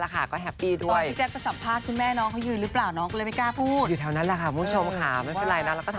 ตอนที่แจ๊คจะสาธารณ์มาหาคุณแม่น้อง